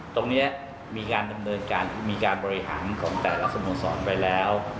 ตรงนี้มีการบริหารของแต่ละสโมสรไปแล้ว